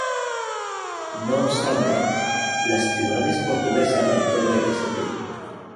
No obstante, las ciudades portuguesas de Cove-St.